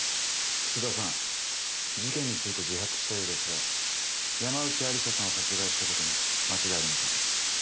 楠田さん事件について自白したようですが山内愛理沙さんを殺害したことに間違いありませんか？